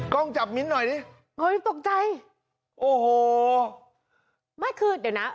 กล้องจับมิ้นหน่อยดิเฮ้ยตกใจโอ้โหไม่คือเดี๋ยวนะ